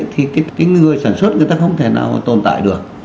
thì cái người sản xuất người ta không thể nào tồn tại được